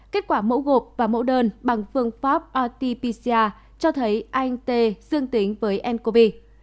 kết quả mẫu gộp và mẫu đơn bằng phương pháp rt pcr cho thấy anh tê dương tính với ncov